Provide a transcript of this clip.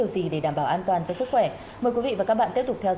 xin chân chào các bạn